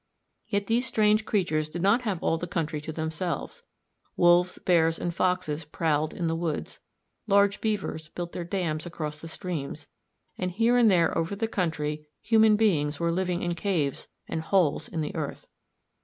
Yet these strange creatures did not have all the country to themselves wolves, bears, and foxes prowled in the woods, large beavers built their dams across the streams, and here and there over the country human beings were living in caves and holes of the earth.